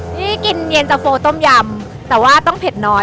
นี่กินเย็นตะโฟต้มยำแต่ว่าต้องเผ็ดน้อย